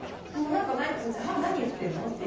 何言ってるの？って